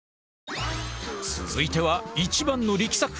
続いては一番の力作。